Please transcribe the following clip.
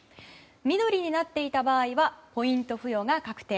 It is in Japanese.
緑になっていた場合はポイント付与が確定。